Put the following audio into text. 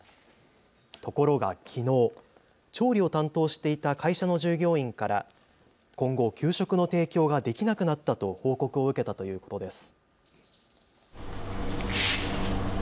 ところがきのう、調理を担当していた会社の従業員から今後、給食の提供ができなくなったと報告を受けたということです。